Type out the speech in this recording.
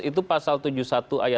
itu pasal tujuh puluh satu ayat dua ya